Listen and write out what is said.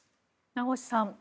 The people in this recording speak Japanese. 名越さん